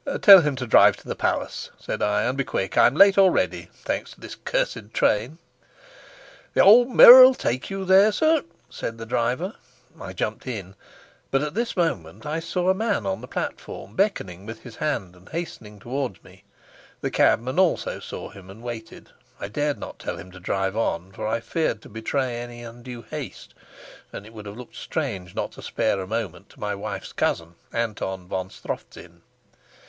"Tell him to drive to the palace," said I, "and be quick. I'm late already, thanks to this cursed train." "The old mare'll soon take you there, sir," said the driver. I jumped in. But at this moment I saw a man on the platform beckoning with his hand and hastening towards me. The cabman also saw him and waited. I dared not tell him to drive on, for I feared to betray any undue haste, and it would have looked strange not to spare a moment to my wife's cousin, Anton von Strofzin.